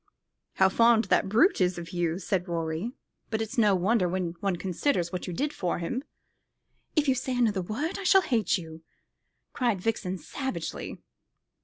"How fond that brute is of you," said Rorie; "but it's no wonder, when one considers what you did for him." "If you say another word I shall hate you," cried Vixen savagely.